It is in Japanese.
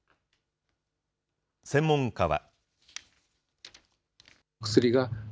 専門家は。